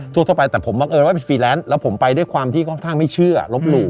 ทั่วไปแต่ผมบังเอิญว่าเป็นฟรีแลนซ์แล้วผมไปด้วยความที่ค่อนข้างไม่เชื่อลบหลู่